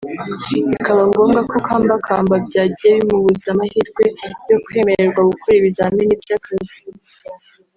bikaba ngombwa ko akambakamba byagiye bimubuza amahirwe yo kwemererwa gukora ibizamini by’akazi